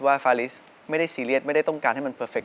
ฟาลิสไม่ได้ซีเรียสไม่ได้ต้องการให้มันเพอร์เฟคต